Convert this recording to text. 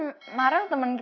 tapi kan merel temen kita juga